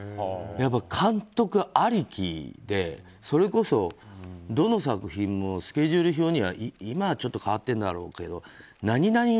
やっぱり監督ありきでそれこそ、どの作品もスケジュール表には今はちょっと変わってるんだろうけど何々